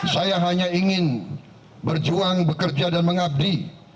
saya hanya ingin berjuang bekerja dan mengabdi